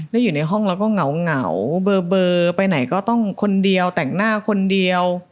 แล้วอยู่ในห้องแล้วก็เหงาเบอร์ไปไหนก็ต้องคนเดียวแต่งหน้าคนเดียว